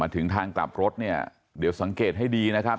ถึงทางกลับรถเนี่ยเดี๋ยวสังเกตให้ดีนะครับ